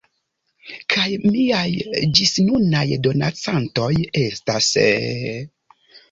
Kaj miaj ĝisnunaj donacantoj estas....